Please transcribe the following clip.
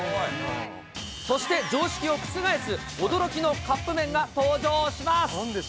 そして常識を覆す、驚きのカップ麺が登場します。